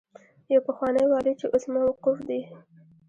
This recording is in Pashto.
يو پخوانی والي چې اوس موقوف دی.